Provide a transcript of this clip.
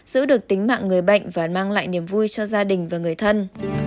giữ được tính mạng người bệnh và mang lại niềm vui cho gia đình và người thân